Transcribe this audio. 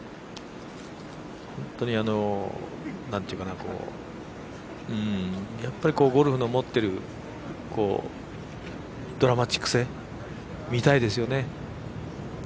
本当にやっぱりゴルフの持っているドラマチック性見たいですよね。